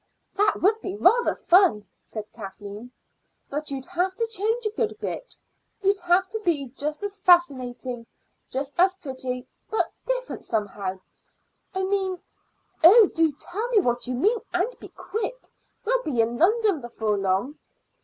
"That would be rather fun," said Kathleen. "But you'd have to change a good bit. You'd have to be just as fascinating, just as pretty, but different somehow I mean " "Oh, do tell me what you mean, and be quick. We'll be in London before long."